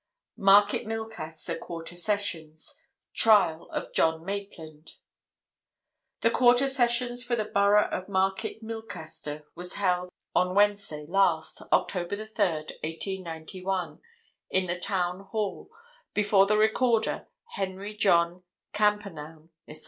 "MARKET MILCASTER QUARTER SESSIONS "TRIAL OF JOHN MAITLAND "The Quarter Sessions for the Borough of Market Milcaster were held on Wednesday last, October 3rd, 1891, in the Town Hall, before the Recorder, Henry John Campernowne, Esq.